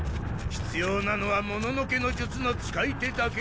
必要なのはもののけの術の使い手だけ。